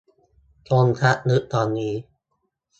คมชัดลึกตอนนี้